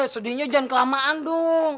sudahnya jangan kelamaan dong